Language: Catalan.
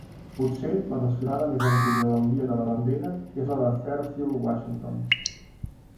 Potser la desfilada més antiga del Dia de la Bandera, és la de Fairfield, Washington.